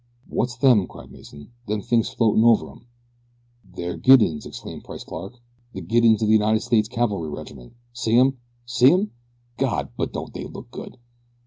"What's them?" cried Mason "them things floating over 'em." "They're guidons!" exclaimed Price Clark " the guidons of the United States cavalry regiment. See 'em! See 'em? God! but don't they look good?"